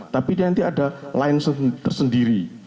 tapi dia nanti ada line tersendiri